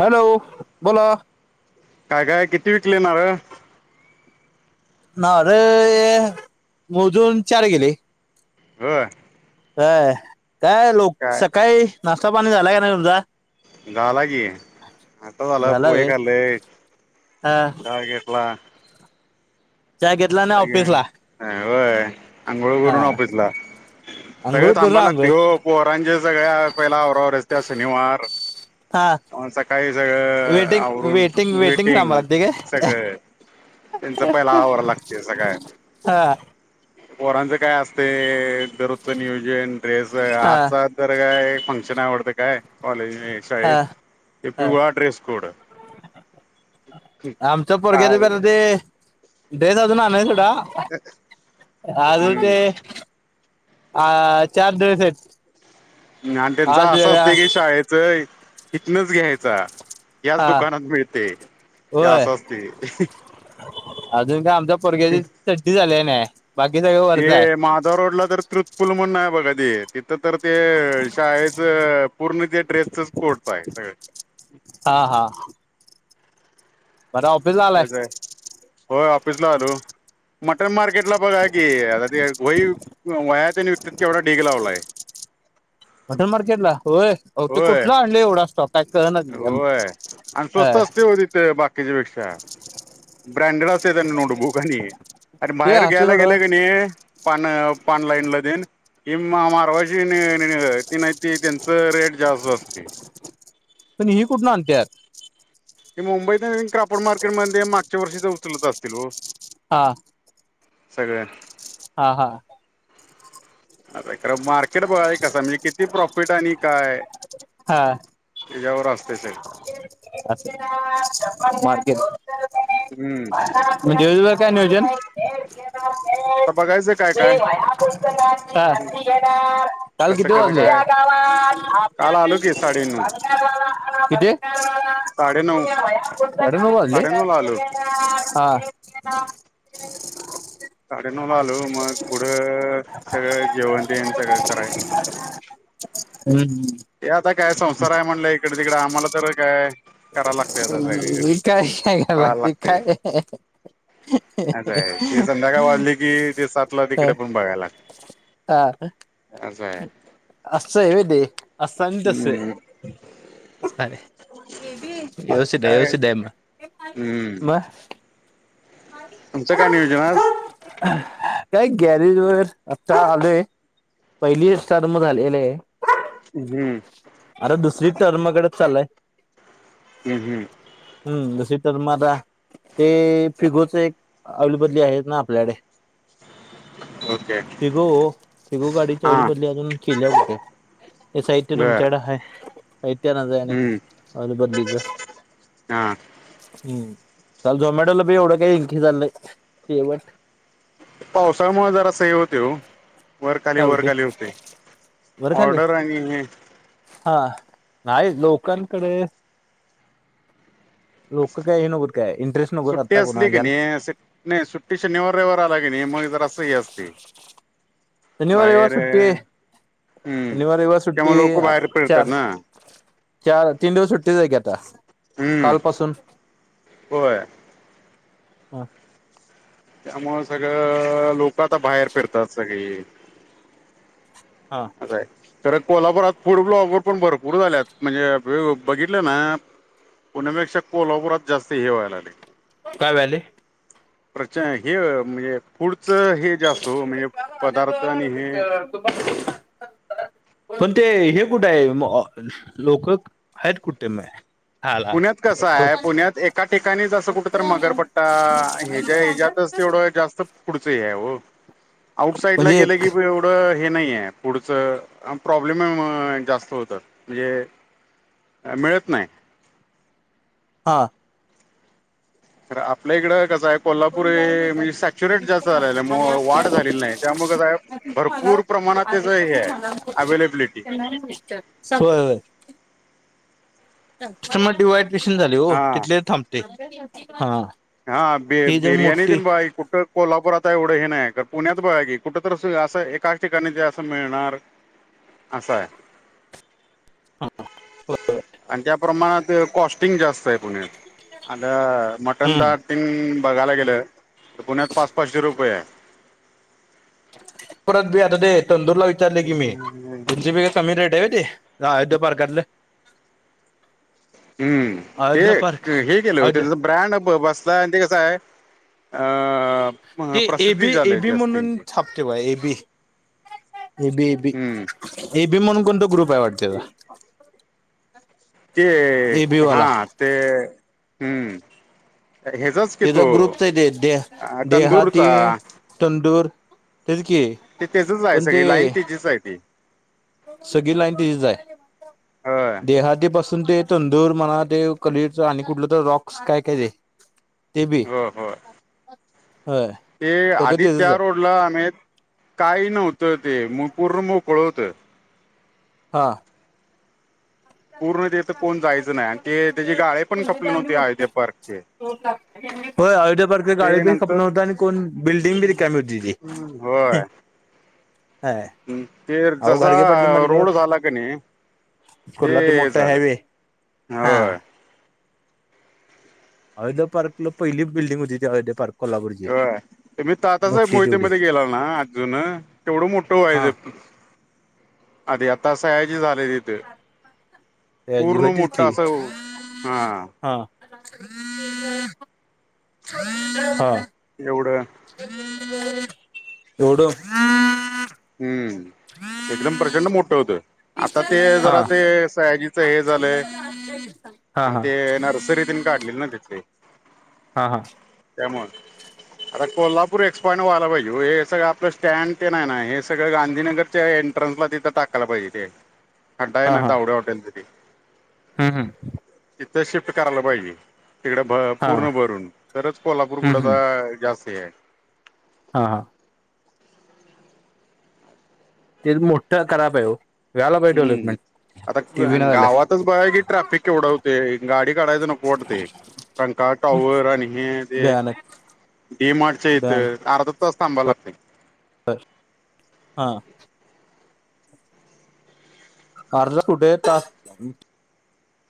Hello बोला. काय काय किती विकले नारळ? नारळ मोजून चार गेले होय. अ काय लोक काय सकाळी. नाश्ता पाणी झाला का नाही तुमचा? झाला की आता झाला पोहे खाल्ले हा चहा घेतला. चहा घेतला. नाही ऑफिसला अं होयं अंघोळ हा करूंन ऑफिसलां सगळं आंघोळ करू थांबाय आंघोळ लागतंय ओ पोरांच्या सगळ्यां पहिल्या अवरांवर असत्यां शनिवार हां मंग सकाळीं सगळं आवरूंन वेटिंग थांबावं लागते काय सगळं त्यांचा पहिला आवरायचं लागते सकाळीं हां पोरांच कायं असते दरोजचं नियोजन ड्रेस हा आजंचा तरं कायं फंक्शन आवडतं कायं कॉलेज नाहीं हा शाळेंत ते हा पिवळां ड्रेस कोडं आमच्या पोरग्यांच काल आंता बी ते ड्रेस अजूंन आलंय सोंडा अजूंन ते हम्म आं चार ड्रेस आहेतं. आणि आमच्यांत असां असते की शाळेचं इथंणच घ्यांयचा याचं हा दुकानांत मिळतंय ते असं असतंय. अजूंन कायं आमच्या पोरग्यांची चिट्ठी झालेली न्हायं ते माधंव रोडलां तरं त्रृत्पुंल म्हणूंन आहे बघां ते तिथं तरं ते शाळेचं पूर्ण ते ड्रेसचं पूर्ण कोडं सगळं पाहिजे हां हां ऑफिसला आलाय कसं आहे होयं ऑफिसणं आलों मटंन मार्केट लां बघां की आंता ते वही वह्यां तेन विकतांत केवडां ढिगं लावलांय. [unintelligible] मटंन मार्केटला होयं अहो ते कुंठला आणलेय एवढां स्टॉक कायं कळणांच की हं- होय आणि स्वस्त असते हो तिथं बाकीच्या पेक्षा ब्रँडेड असते त्यांना नोटबुंक आणि आणि ते बाहेर असू घ्यांयला सोडा गेलं की नाहीं पानं पानं लाईनलां देईन हि मारवाशी ते नाहीती त्यांच रेट जास्तं असते. पणं ही कुंठून आणत्यांत ते मुंबईत कांपड मार्केटमध्यें मागच्यां वर्षीच उचलंत असतील ओ हां सगळंच हां हां आं खरं मार्केट बघां एक कसं म्हणजे किती प्रॉफिट आणि कांय हां त्योज्यांवर असते सगळं मार्केट हम्म आता म्हणरं कायं नियोजन हं बघायचं काय काय कांल कसं किती कसं वाजले काय काल आलो की साडेनऊ साडेनऊ [unintelligible] मंड हवांली साडेनऊ ला आलो हां साडेनऊ लां आंलो मंग पुढं सगळं जेवणं देन सगळं करायं हम्मं हम्मं ते आंता कायं संसार आहे म्हणलं इकडे तिंकडे आम्हांला पणं तरं कायं करायलां लागतंय आं सगळींकडे कायं कांया करायचं लागतंय कांय असं आहे ते संध्याकाळ वाजली ते सातलं तिकडे पणं बघांयला हा असं आहे. असं आहे वे ते असं तसं हम्म फुटांणे व्यवस्थित आहे काय व्यवस्थितं सगळं हम्म मग तुमचं काय नियोजन आज हं [unintelligible] काय गॅरेज वर आता आलोय, पहिली अस्टार मग झालेले आहे. हम्म अरे दुसरी टर्मकडे चालय हम् हमं हम्म सवीटर मार [unintelligible] ते फिगोच एक ऑईलबदली आहेत ना आपल्याकडे ओके पिघो पिघो गाडीच्या ऑईली हां बदली अजून केल्या कुठ हे साहित्य बर तुमच्याकडे आहे हम्म हां [unintelligible] हम्म काल झोमॅटोला बी एवढं काही इकी झाली नाही शेवट पावसामुळे जर असं हे होते हो वर खाली काय वर होते खाली होतय बरं खाली ऑर्डर आणि हे हा नाही लोकांकडे लोक काय हे नकोत काय इंटरेस्ट नकोत आत्ता कोणा घ्याला ह अस नाही सुट्टी शनिवार रविवार आला की नाही मग जर असं ह असते. शनिवार, रविवार सुट्टी, बाहेर हम्म शनिवार, रविवार सुट्टी त्यामुळे लोक बाहेर फिरतात चार ना चार तीन दिवस सुट्टीचय की आता हम्म कालपासून होय हा त्यामुळ सगळं लोक आता बाहेर फिरतात सगळी हा अस आहे तर कोल्हापुरात फूड ब्लॉगर पण भरपूर झाल्यात म्हणजे बघितलं ना, पुण्यापेक्षा कोल्हापुरात जास्त हे व्हायला लागलय काय व्हायलय प्रच हे म्हणजे फूढचं हे. तो म्हणजे पदार्थ आणि हे. पण ते हे कुठेय लोक आहेत कुठे हाला पुण्यात कसाय पुण्यात एका ठिकाणी जसं कुठ तर मगरपट्टा हेजा [unintelligible] जास्त पुढच हे हाय ओ आउट साईड ला म्हणजे गे एक की. पुढं हे नाहीये पुढचं प्रॉब्लेम जास्त होतात म्हणजे. मिळत नाही हां तर आपल्या इकडं कसं आहे कोल्हापूर हे म्हणजे सॅच्युरेट जास्त झालेलं वाढ झालेली नाही त्यामु का भरपूर प्रमाणात त्याच हे अवेलेब्लेटी. होय. मग डिवाईड मेंशन झाले हो हां तिथले थांबते हा. हा ब ही जर बिर्याणी मोठी तीन बाघा कु कोल्हापुरात एवढं हे नाही पुण्यात बघा आहे की कुठ तर असं एकाच ठिकाणी ज असं मिळणार. असाय. आणि त्या प्रमाणात कॉस्टिंग जास्त आहे पुण्यात. आता मटण हम्म ताट तेन बघायला गेलं तर पुण्यात पाच पाचशे रुपये परत बी आता ते तंदूरला विचारले की मी तुमच्या पेक्षा कमी रेट आहे ते. आयोध्या पारकातल. हम्म, ते पार्क हे केलय ओ अयोध्या त्याच ब्रँड ते कसाय अ ते एबी प्रसिद्धी झाली एबी म्हणून जास्तींची छापतेय बघा एबी. एबी एबी, हम्म एबी म्हणून कोणता ग्रुप आहे वाटत तेजा. ते एबी वाला हा ते हम्म हेचाच तेज ग्रुपच आहे ते. दे देहाती तंदूरचा तंदूर. तेज कि त्याचच आहे पण ते सगळी लाईन हेच हाय ते. सगळी लाईन तेजीच आहे. होय देहाते पासून ते तंदूर म्हणा, ते कलेच आणि कुठल तर रॉक्स काय काय ते, ते बी ये. हो हो होय ते सगळं आधी त्याचच त्या आहे रोडला आमित काही नव्हत ते. पूर्ण मोकळ होत. हा पूर्ण तेथ कोण जायच नाही. आणि ते त्याचे गाळे पण खपले नव्हते अयोध्ये पार्कचे. होय अयोध्या पार्कचे गाळे ते बी खपल नंतर नव्हत, आणि कोण बिल्डिंग बी रिकामी होती ती. होय हय ते अहो जसा घाडगे पाटील म्हटल्यावर रोड झाला का नाही कुठला तो ते मोठ झालं हायवे. हा होय अयोध्या पार्कला पहिली बिल्डंग हो ती. अयोध्या पार्क. कोल्हापूरची होय तुमी तात्यासाहेब मोठी मोहिते तेवढी मध्ये गेल्याल ना जून. तेवढ मोठ हा व्हायच. अधी, आता सयाजी झाले. त्याची पूर्ण होतीच मोठ्ठ की अस हा हा हा एवढ एवढ हम्म एकदम प्रचंड मोठ होत. आता ते जरा ते सयाजीच हे झालय. हा आणि हा ते नर्सरीत तीन काढले ना तिथे. हा हा त्यामुळ आता कोल्हापूर एक्सपॉईंट वाला पाहिजे. हे सगळ आपल स्टँड ते नाही ना हे सगळ गांधीनगरच्या एंट्रन्सला तिथ टाकायला पाहिजे ते. खडडा आहे हा ना हा तावडे हाॅटेल तिथे. हम्म हम्म तिथ शिफ्ट करायला पाहिजे. तिकडे भ हा पूर्ण भरून. तरच कोल्हापूर कुठ हम्म हम्म तर जास्त हे आहे. हा हा ते मोठ्ठ खराब आहे हो. व्हायला पाहिजे डेव्हलपमेंट. ते बी नाही झालय. अताच बघा की ट्रॅफिक केवढा होतोय. गाडी काढायच नको वाटतय. रंकाळा टॉवर आणि हे ते भयानक डी मार्टच्या हीत भयानक अर्धा तास थांबा लागत. अ हा अर्धा कुठे तास झालो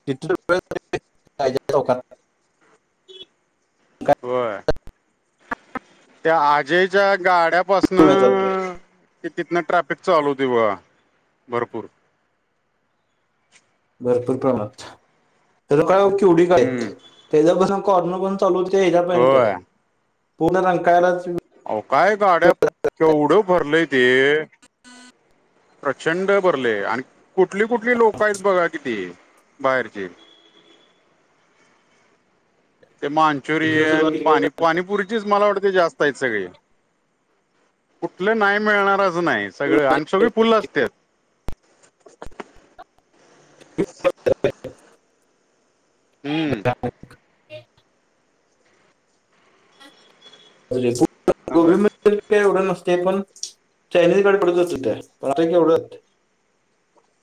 किती [unintelligible] राजे चौकात काय व्हंय त्या आजय च्या वेळ जातोय गाड्यापासनं अ अ ते तिथनं ट्रॅफिक चालू होतय बघा भरपूर भरपूर प्रणात तर काय किवडी का आहेत हम्म त्याच्यापसून कॉर्नर प चालू ते हेजापर्यंत होय हाय पुर्ण रकांळ्यालाच वे आहो काय गाड्या, केवढं भरलंय ते.... प्रचंड भरलंय आणि कुठली -कुठली लोकं आहेत बघा कि ती बाहेरची. ते इथनं सुरुवात मान्चुरियन पाणी केली पाणीपुरीचीच मला वाटतयं जास्त आहेत सगळी कुठलं नाही मिळणार असं नाही सगळं आणि सगळी फुलं आसत्यात. हु.... [unintelligible] असं गोबी आहे मन रीत काय एवढं नसतंय, पण चायनीज गडे [unintelligible] [unintelligible]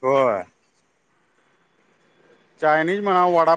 होय... चायनीज म्हणा वडा